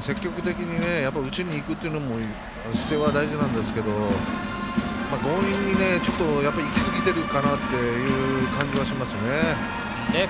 積極的に打ちにいくという姿勢は大事なんですけど強引にいきすぎてるかなっていう感じはしますね。